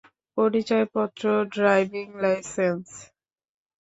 পরিচয়পত্র, driving licence.